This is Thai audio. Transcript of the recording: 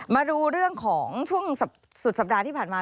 มาดูเรื่องของช่วงสุดสัปดาห์ที่ผ่านมา